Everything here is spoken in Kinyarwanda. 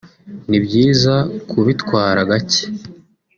ni byiza kubitwara gake